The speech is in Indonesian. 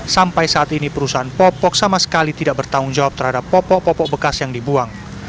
sampai saat ini perusahaan popok sama sekali tidak bertanggung jawab terhadap popok popok bekas yang dibuang